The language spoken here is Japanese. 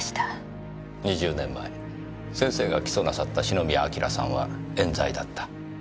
２０年前先生が起訴なさった篠宮彬さんは冤罪だった。